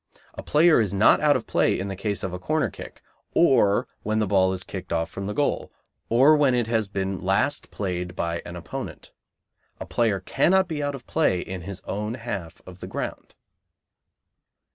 A player is not out of play in the case of a corner kick, or when the ball is kicked off from the goal, or when it has been last played by an opponent. A player cannot be out of play in his own half of the ground.